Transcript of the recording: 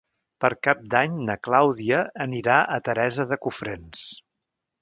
Per Cap d'Any na Clàudia anirà a Teresa de Cofrents.